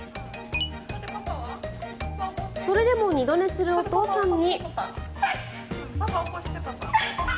それでも二度寝するお父さんに。